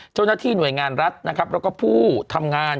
เจ้าหน้าที่หน่วยงานรัฐนะครับแล้วก็ผู้ทำงาน